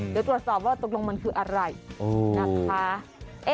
เดี๋ยวตรวจสอบว่าตกลงมันคืออะไรนะคะ